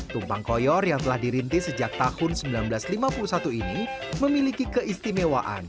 tumpang koyor yang telah dirintis sejak tahun seribu sembilan ratus lima puluh satu ini memiliki keistimewaan